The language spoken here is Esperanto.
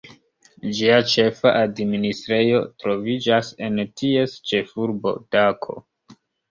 Ĝia ĉefa administrejo troviĝas en ties ĉefurbo Dako.